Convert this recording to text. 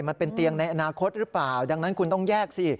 มันเป็นเตียงในอนาคตหรือเปล่าดังนั้นคุณต้องแยกสิ